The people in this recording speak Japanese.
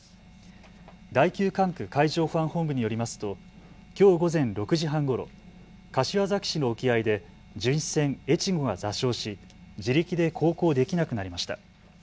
第９管区海上保安本部によりますときょう午前６時半ごろ、柏崎市の沖合で巡視船えちごが座礁し自力で航行できなくなりました。